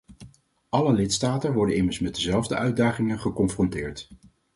Alle lidstaten worden immers met dezelfde uitdagingen geconfronteerd.